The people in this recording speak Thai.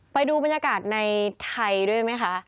ไปดูบรรยากาศในไทยด้วยไหมคะ